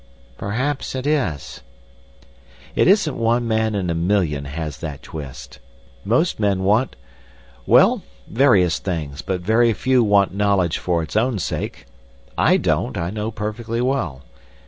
"Perhaps it is—" "It isn't one man in a million has that twist. Most men want—well, various things, but very few want knowledge for its own sake. I don't, I know perfectly well.